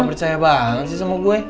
percaya banget sih sama gue